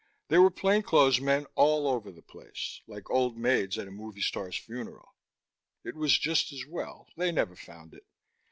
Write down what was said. There were plainclothes men all over the place, like old maids at a movie star's funeral. It was just as well; they never found it.